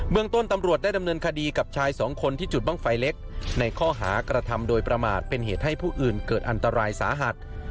เมืองต้นตำรวจได้ดำเนินคดีกับชายสองคนที่จุดบ้างไฟเล็กในข้อหากระทำโดยประมาทเป็นเหตุให้ผู้อื่นเกิดอันตรายสาหัส